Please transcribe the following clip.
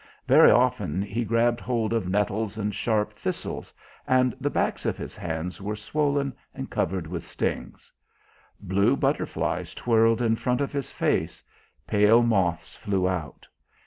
Very often he grabbed hold of nettles and sharp thistles, and the backs of his hands were swollen and covered with stings. Blue butterflies twirled in front of his face, pale moths flew out.